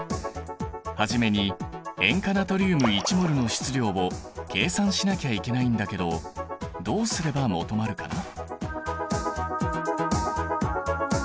初めに塩化ナトリウム１ｍｏｌの質量を計算しなきゃいけないんだけどどうすれば求まるかな？